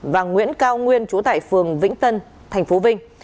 và nguyễn cao nguyên chú tại phường vĩnh tân tp vinh